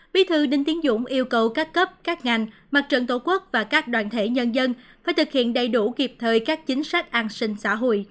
bí thư đinh tiến dũng yêu cầu các cấp các ngành mặt trận tổ quốc và các đoàn thể nhân dân phải thực hiện đầy đủ kịp thời các chính sách an sinh xã hội